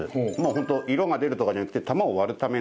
ホント色が出るとかじゃなくて玉を割るための火薬です。